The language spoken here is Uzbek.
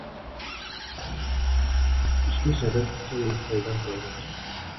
Ishlashadi so’ngra holdan toyguncha.